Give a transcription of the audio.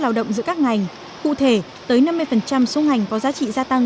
lao động giữa các ngành cụ thể tới năm mươi số ngành có giá trị gia tăng